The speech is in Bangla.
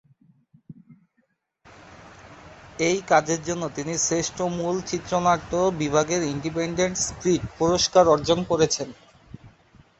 এই কাজের জন্য তিনি শ্রেষ্ঠ মূল চিত্রনাট্য বিভাগে ইন্ডিপেন্ডেন্ট স্পিরিট পুরস্কার অর্জন করেন।